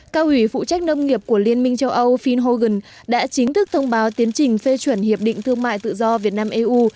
cao ủy phụ trách nông nghiệp của liên minh châu âu phil hogan đã chính thức thông báo tiến trình phê chuẩn hiệp định thương mại tự do việt nam eu